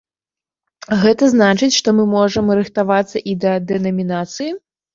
Гэта значыць, што мы можам рыхтавацца і да дэнамінацыі?